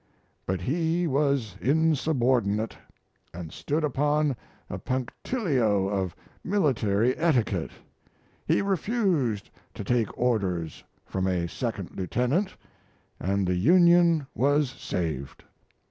But he was insubordinate, and stood upon a punctilio of military etiquette; he refused to take orders from a second lieutenant and the Union was saved.